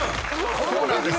［そうなんです］